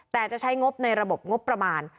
แต่จะใช้งบในระบบงบประมาณ